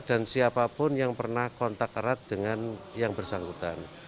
dan siapapun yang pernah kontak erat dengan yang bersangkutan